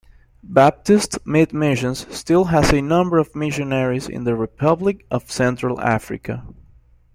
"Baptist Mid-Missions" still has a number of missionaries in the Republic of Central Africa.